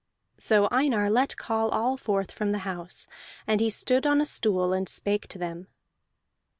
So Einar let call all forth from the house, and he stood on a stool, and spake to them.